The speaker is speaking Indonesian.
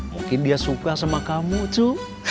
mungkin dia suka sama kamu tuh